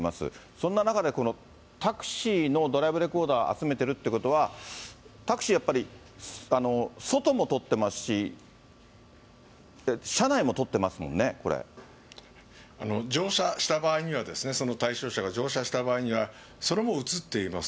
そんな中で、タクシーのドライブレコーダー集めてるってことは、タクシーやっぱり外も撮ってますし、乗車した場合には、その対象者が乗車した場合には、それも写っています。